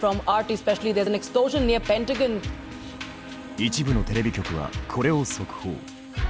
一部のテレビ局はこれを速報。